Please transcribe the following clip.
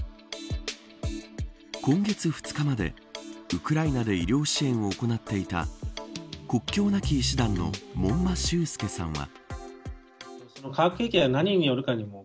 今月２日までウクライナで医療支援を行っていた国境なき医師団の門馬秀介さんは。